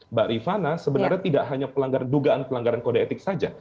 mbak rifana sebenarnya tidak hanya dugaan pelanggaran kode etik saja